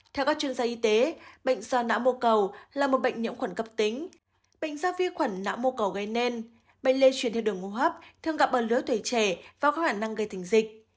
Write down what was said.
theo các chuyên gia y tế bệnh do nã mô cầu là một bệnh nhiễm khuẩn cấp tính bệnh do vi khuẩn nã mô cầu gây nên bệnh lê chuyển theo đường ngô hấp thường gặp bờ lưới tuổi trẻ và có khả năng gây thành dịch